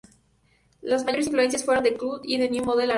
Las mayores influencias fueron The Cult y New Model Army.